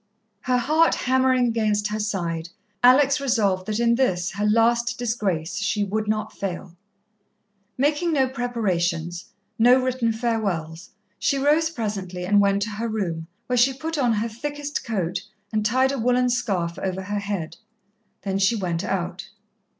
Her heart hammering against her side, Alex resolved that in this, her last disgrace, she would not fail. Making no preparations, no written farewells, she rose presently and went to her room, where she put on her thickest coat and tied a woollen scarf over her head. Then she went out.